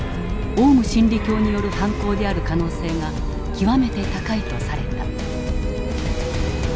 オウム真理教による犯行である可能性が極めて高いとされた。